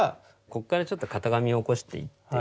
ここからちょっと型紙を起こしていって。